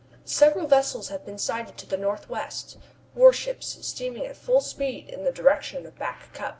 Several vessels have been sighted to the northwest warships steaming at full speed in the direction of Back Cup.